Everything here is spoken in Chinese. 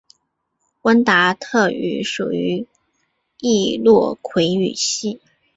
温达特语属于易洛魁语系。